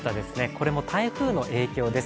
これも台風の影響です。